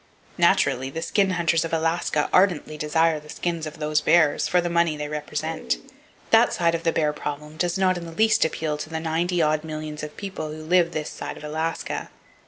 Naturally, the skin hunters of Alaska ardently desire the skins of those bears, for the money they represent. That side of the bear problem does not in the least appeal to the ninety odd millions of people who live this side of Alaska.